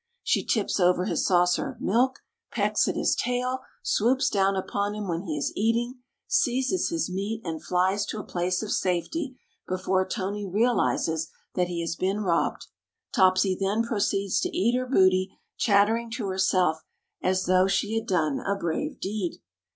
She tips over his saucer of milk, pecks at his tail, swoops down upon him when he is eating, seizes his meat and flies to a place of safety before Tony realizes that he has been robbed. Topsy then proceeds to eat her booty, chattering to herself as though she had done a brave deed.